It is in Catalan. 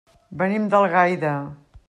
Venim d'Algaida.